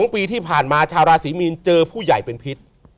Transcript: ๒ปีที่ผ่านมาชาวราศีมีนเจอผู้ใหญ่เป็นพิษ